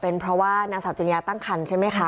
เป็นเพราะว่านางสาวจุริยาตั้งคันใช่ไหมคะ